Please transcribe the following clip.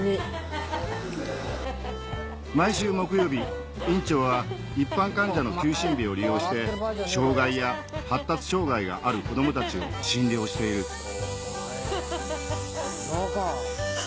毎週木曜日院長は一般患者の休診日を利用して障がいや発達障がいがある子供たちを診療しているアハハハ。